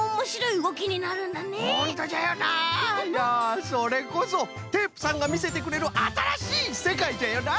いやそれこそテープさんがみせてくれるあたらしいせかいじゃよな！